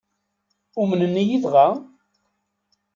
Umnen-iyi dɣa?